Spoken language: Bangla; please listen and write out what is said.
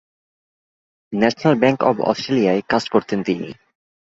ন্যাশনাল ব্যাংক অব অস্ট্রালেশিয়ায় কাজ করতেন তিনি।